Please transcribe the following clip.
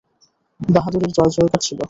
বাহাদুরীর জয় জয়কার ছিল।